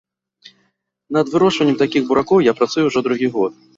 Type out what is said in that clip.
Над вырошчваннем такіх буракоў я працую ўжо другі год.